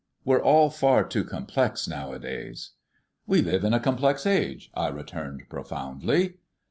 We're all far too complex nowadays." "We live in a complex age," I returned profoundly.